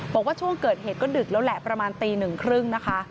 บอกว่าช่วงเกิดเหตุก็ดึกแล้วแหละประมาณตีหนึ่งครึ่งนะคะ